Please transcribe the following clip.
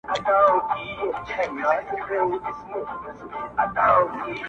مرور سهار به هله راستنېږي,